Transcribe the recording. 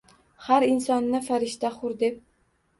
Har insonni farishta-hur deb.